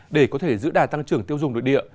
để có thể giữ đà tăng trưởng tiêu dùng nội địa